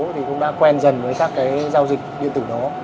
thì cũng đã quen dần với các cái giao dịch điện tử đó